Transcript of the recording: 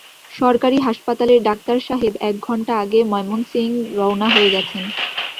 সরকারি হাসপাতালের ডাক্তার সাহেব এক ঘন্টা আগে ময়মনসিং রওনা হয়ে গেছেন।